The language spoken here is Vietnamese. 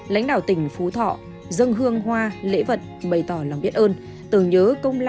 lãnh đạo tỉnh phú thọ dân hương hoa lễ vật bày tỏ lòng biết ơn